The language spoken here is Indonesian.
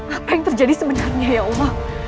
apa yang terjadi sebenarnya ya allah